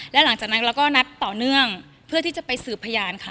แล้วหลังจากนั้นเราก็นัดต่อเนื่องเพื่อที่จะไปสืบพยานค่ะ